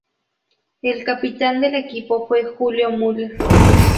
El capitán del equipo fue Julio Müller.